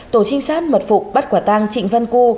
tổ trinh sát mật phục bắt quả tang trịnh văn cư